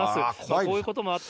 こういうこともあって。